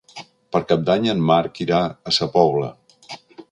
Per Cap d'Any en Marc irà a Sa Pobla.